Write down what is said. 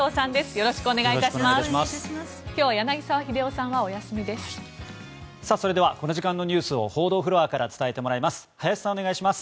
よろしくお願いします。